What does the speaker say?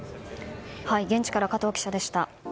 現地から加藤記者でした。